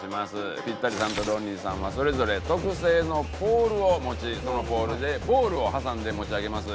ピッタリさんとロンリーさんはそれぞれ特製のポールを持ちそのポールでボールを挟んで持ち上げます。